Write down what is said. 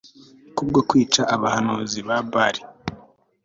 Kubwo kwica abahanuzi ba Bali